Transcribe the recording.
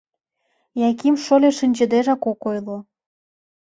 Яким шольо шинчыдежак ок ойло.